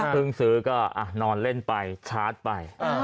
ซื้อก็นอนเล่นไปชาร์จไป